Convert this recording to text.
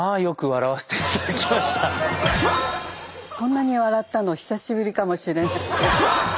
こんなに笑ったの久しぶりかもしれない。